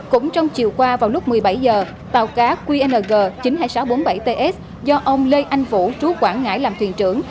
cũng trong chiều qua vào lúc một mươi bảy h tàu cá qng chín mươi hai nghìn sáu trăm bốn mươi bảy ts do ông lê anh vũ chú quảng ngãi làm thuyền trưởng